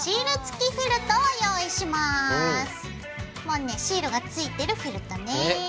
もうねシールが付いてるフェルトね。